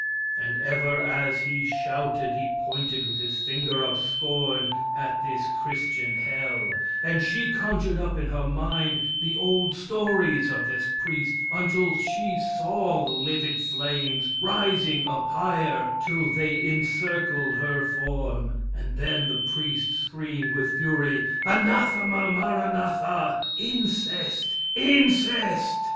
_ And ever as he shouted, he pointed with his finger of scorn at this Christian hell, and she conjured up in her mind the old stories of this priest, until she saw the livid flames rising up higher till they encircled her form, and then the priest screamed with fury, _Anathema maranatha, incest, incest!